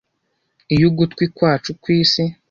Iyo ugutwi kwacu kwisi